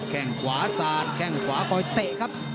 แข่งขวาซานแข่งขวาเตะครับ